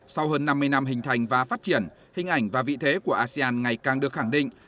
sau hơn năm mươi năm hình thành và phát triển hình ảnh và vị thế của asean ngày càng được khẳng định